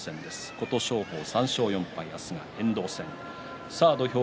琴勝峰は３勝４敗明日は遠藤戦です。